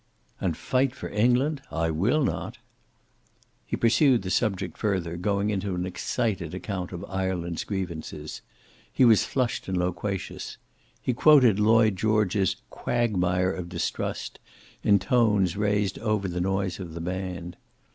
"And fight for England? I will not." He pursued the subject further, going into an excited account of Ireland's grievances. He was flushed and loquacious. He quoted Lloyd George's "quagmire of distrust" in tones raised over the noise of the band.